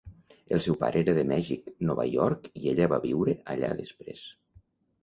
El seu pare era de Mèxic, Nova York, i ella va viure allà després.